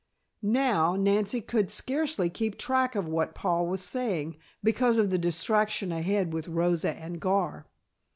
Now, Nancy could scarcely keep track of what Paul was saying, because of the distraction ahead with Rosa and Gar.